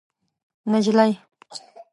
نجلۍ